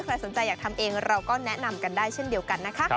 ใครสนใจอยากทำเองเราก็แนะนำกันได้เช่นเดียวกันนะคะ